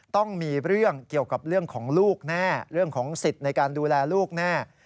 ต้องมีเรื่องเกี่ยวกับเรื่องของลูกแน่เรื่องของสิทธิ์ในการดูแลลูกแน่